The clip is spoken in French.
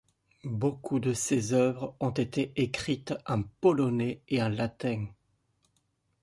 Beaucoup de ses œuvres ont été écrites en polonais et en latin.